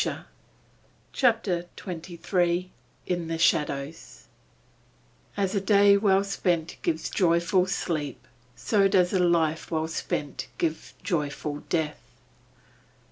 CHAPTER XVIII IN THE SHADOWS As a day well spent gives joyful sleep, So does a life well spent give joyful death.